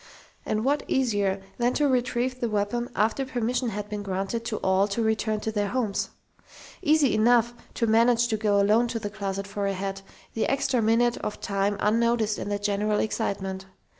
And what easier than to retrieve the weapon after permission had been granted to all to return to their homes? Easy enough to manage to go alone to the closet for a hat, the extra minute of time unnoticed in the general excitement.